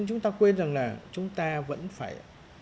chúng ta quên rằng là chúng ta vẫn phải